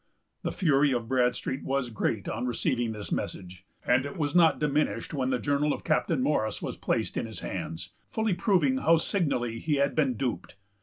The fury of Bradstreet was great on receiving this message; and it was not diminished when the journal of Captain Morris was placed in his hands, fully proving how signally he had been duped.